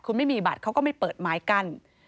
คุณไม่มีบัตรเขาก็ไม่เปิดไม้กั้น